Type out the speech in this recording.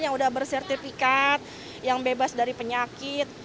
yang udah bersertifikat yang bebas dari penyakit